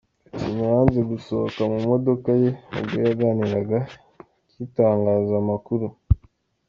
Gacinya yanze gusohoka mu modoka ye ubwo yaganiraga kitangaza makuru